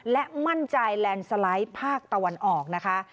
และมั่นใจแลนซไลด์ภาคตะวันออก